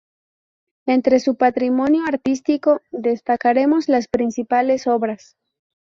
Entre su patrimonio artístico destacaremos las principales obras.